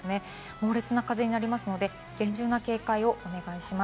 猛烈な風になりますので厳重な警戒をお願いします。